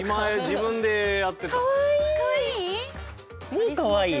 もうかわいい。